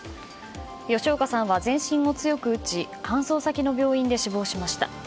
吉岡さんは、全身を強く打ち搬送先の病院で死亡しました。